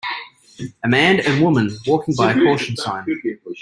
A man and women walking by a caution sign.